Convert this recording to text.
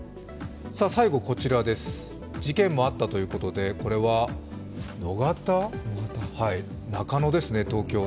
最後こちらです、事件もあったということで、野方、中野ですね、東京。